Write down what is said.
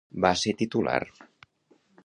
Va ser titular